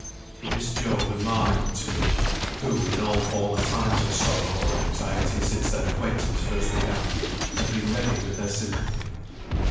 She missed Job and Margaret too; who, in all former times of sorrow or anxiety since their acquaintance first began, had been ready with their sympathy.